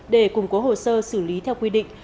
để củng cố hồ sơ xử lý theo quy định